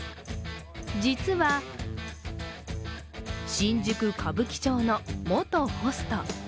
実は、新宿・歌舞伎町の元ホスト。